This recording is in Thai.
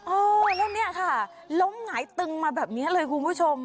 เออแล้วเนี่ยค่ะล้มหงายตึงมาแบบนี้เลยคุณผู้ชม